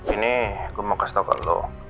ini gue mau kasih tau ke lo